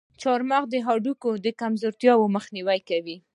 چارمغز د هډوکو کمزورتیا مخنیوی کوي.